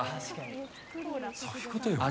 そういうことよ。